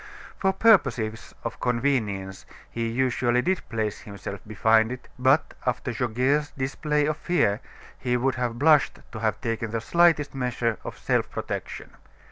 For purposes of convenience he usually did place himself behind it; but after Goguet's display of fear, he would have blushed to have taken the slightest measure of self protection.